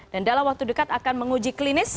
dan dalam waktu dekat akan menguji klinis